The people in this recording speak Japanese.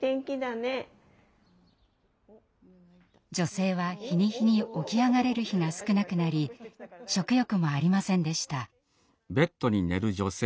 女性は日に日に起き上がれる日が少なくなり食欲もありませんでした。